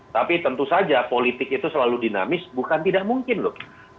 tapi tentu saja politik itu selalu dinamis bukan tidak mungkin loh